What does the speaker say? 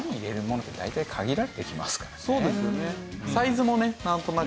そうですよね。